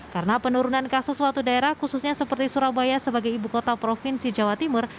karena penurunan kasus suatu daerah khususnya seperti surabaya sebagai ibu kota provinsi jawa timur